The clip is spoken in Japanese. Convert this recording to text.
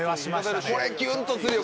これキュンとするよ